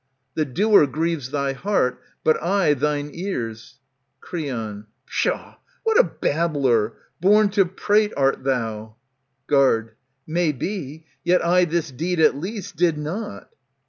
The doer grieves thy heart, but I thine ears. Creon, Pshaw ! what a babbler, born to prate art thou ! 820 Guard. May be ; yet I this deed, at least, did not.